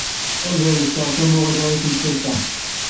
Ad alseɣ tamuɣli i temsalt-a.